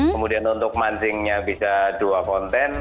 kemudian untuk mancingnya bisa dua konten